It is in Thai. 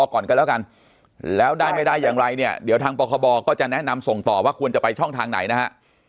ก่อนกันแล้วกันแล้วได้ไม่ได้อย่างไรเนี่ยเดี๋ยวทางปคบก็จะแนะนำส่งต่อว่าควรจะไปช่องทางไหนนะฮะ